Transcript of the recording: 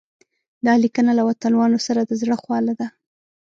دا لیکنه له وطنوالو سره د زړه خواله ده.